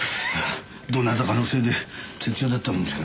どなたかのせいで徹夜だったもんですからね。